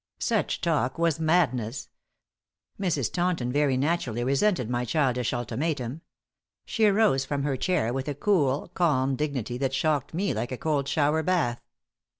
Such talk was madness. Mrs. Taunton very naturally resented my childish ultimatum. She arose from her chair with a cool, calm dignity that shocked me like a cold shower bath.